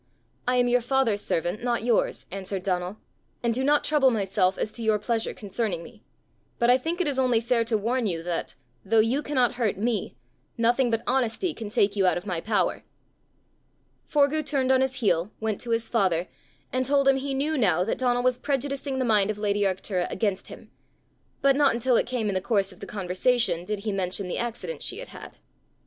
"I am your father's servant, not yours," answered Donal, "and do not trouble myself as to your pleasure concerning me. But I think it is only fair to warn you that, though you cannot hurt me, nothing but honesty can take you out of my power." Forgue turned on his heel, went to his father, and told him he knew now that Donal was prejudicing the mind of lady Arctura against him; but not until it came in the course of the conversation, did he mention the accident she had had.